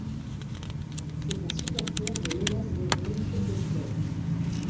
C'est un supporteur de l'Hellas Vérone Football Club.